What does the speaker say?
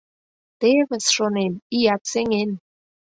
Тевыс, шонем, ият сеҥен.